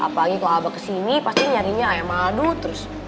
apa lagi kalau abah kesini pasti nyarinya ayam madu terus